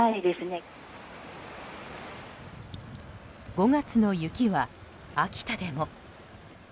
５月の雪は、秋田でも。